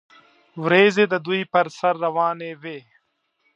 وریځې د دوی پر سر روانې وې.